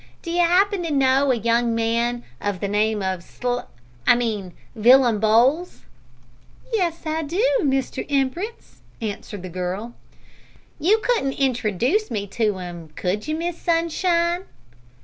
D'you 'appen to know a young man of the name of Sl I mean Villum Bowls?" "Yes I do, Mr Imp'rence," answered the girl. "You couldn't introdooce me to him, could you, Miss Sunshine?"